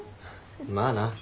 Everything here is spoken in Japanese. まあな。